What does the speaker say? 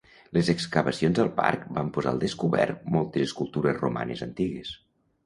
Les excavacions al parc van posar al descobert moltes escultures romanes antigues.